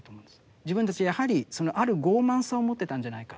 自分たちやはりそのある傲慢さを持ってたんじゃないか。